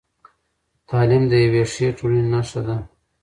تعلیم د یوې ښې ټولنې نښه ده.